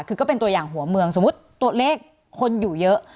คือก็เป็นตัวอย่างหัวเมืองสมมุติตัวเลขคนอยู่เยอะ